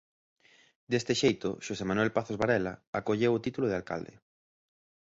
Deste xeito Xosé Manuel Pazos Varela acolleu o título de alcalde.